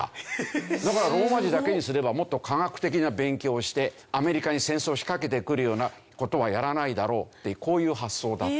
だからローマ字だけにすればもっと科学的な勉強をしてアメリカに戦争を仕掛けてくるような事はやらないだろうってこういう発想だった。